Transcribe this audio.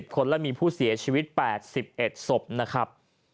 คนและมีผู้เสียชีวิต๘๑ศพนะครับ